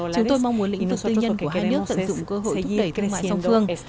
chúng tôi mong muốn lĩnh vực tư nhân của hai nước tận dụng cơ hội thúc đẩy thương mại song phương